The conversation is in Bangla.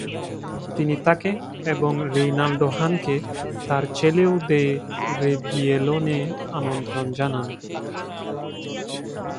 তিনি তাকে এবং রেইনাল্ডো হানকে তার চ্যালেউ দে রেভিয়েলনে আমন্ত্রণ জানান।